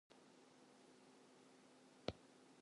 He is related to the prominent Keke family of Nauru.